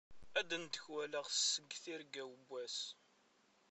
Ad d-ndekwaleɣ seg tirga-w n wass.